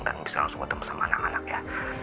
dan bisa langsung ketemu sama anak anak ya